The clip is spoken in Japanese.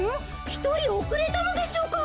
ひとりおくれたのでしょうか？